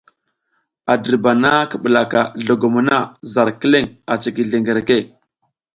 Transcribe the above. A dirbana ki ɓulaka zlogomo na zar kileŋ a ciki zlengereke.